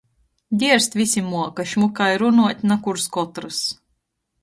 Dierst vysi muok, a šmuki runuot na kurs kotrys.